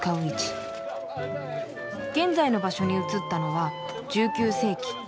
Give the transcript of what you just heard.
「現在の場所に移ったのは１９世紀。